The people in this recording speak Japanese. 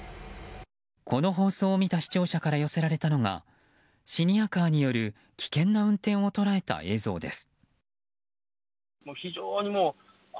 この放送を見た視聴者から寄せられたのがシニアカーによる危険な運転を捉えた映像です。